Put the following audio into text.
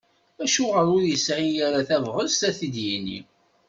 Acuɣer ur yesɛi ara tabɣest a t-id-yini?